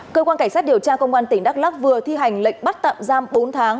cơ quan cảnh sát điều tra công an tỉnh đắk lắc vừa thi hành lệnh bắt tạm giam bốn tháng